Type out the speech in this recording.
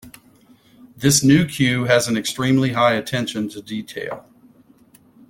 This new queue has an extremely high attention to detail.